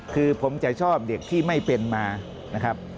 คือผมจะชอบเด็กที่ไม่เป็นมานะครับ